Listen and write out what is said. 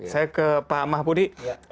saya ke pak mahpudi